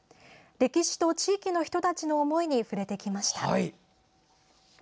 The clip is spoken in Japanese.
歴史と地域の人たちの思いに触れてきました。